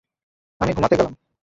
আমি ঘুমাতে গেলাম।